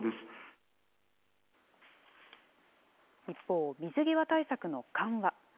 一方、水際対策の緩和。